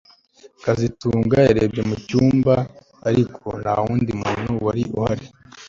kazitunga yarebye mu cyumba ariko nta wundi muntu wari uhari